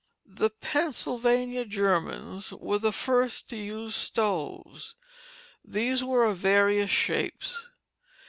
The Pennsylvania Germans were the first to use stoves. These were of various shapes.